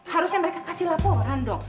harusnya mereka kasih laporan dong